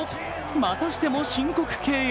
またしても申告敬遠。